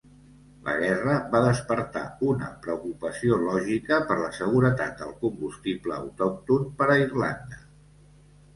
La guerra va despertar una preocupació lògica per la seguretat del combustible autòcton per a Irlanda.